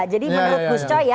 jadi menurut gus coy ya